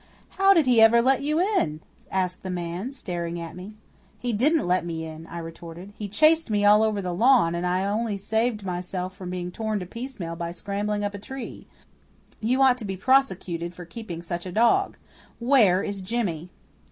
"How did he ever let you in?" asked the man, staring at me. "He didn't let me in," I retorted. "He chased me all over the lawn, and I only saved myself from being torn piecemeal by scrambling up a tree. You ought to be prosecuted for keeping such a dog! Where is Jimmy?"